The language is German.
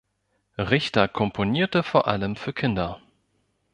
Richter komponierte vor allem für Kinder.